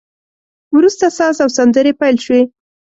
وروسته ساز او سندري پیل شوې.